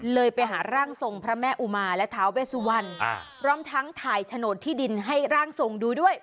ไปหาร่างทรงพระแม่อุมาและท้าเวสุวรรณพร้อมทั้งถ่ายโฉนดที่ดินให้ร่างทรงดูด้วย